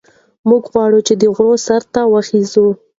موږ غواړو چې د غره سر ته وخېژو.